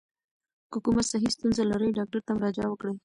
که کومه صحي ستونزه لرئ، ډاکټر ته مراجعه وکړئ.